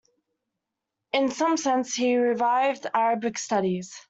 In some sense, he revived Arabic studies.